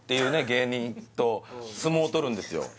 芸人と相撲を取るんですよ